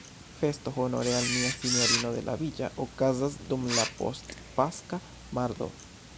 Festo honore al Nia Sinjorino de La Villa okazas dum la post-paska mardo.